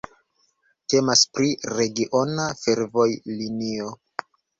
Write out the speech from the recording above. Temas pri regiona fervojlinio.